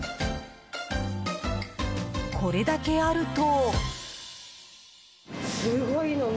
これだけあると。